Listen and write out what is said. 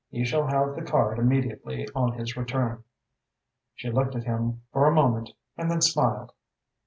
He shall have the card immediately on his return." She looked at him for a moment and then smiled.